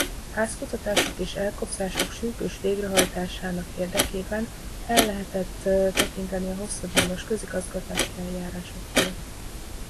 Házkutatások és elkobzások sürgős végrehajtásának érdekében el lehetett tekinteni a hosszadalmas közigazgatási eljárásoktól.